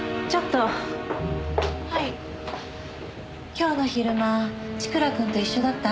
今日の昼間千倉くんと一緒だった？